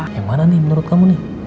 yang mana nih menurut kamu nih